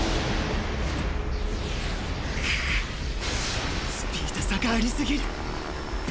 クッスピード差がありすぎる。